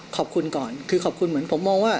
ขอบคุณก่อนคือขอบคุณเหมือนผมมองว่า